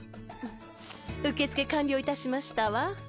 受け付け完了いたしましたわ。